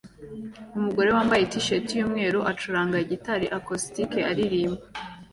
Umugore wambaye t-shirt yumweru acuranga gitari acoustic aririmba